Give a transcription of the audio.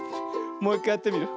もういっかいやってみるよ。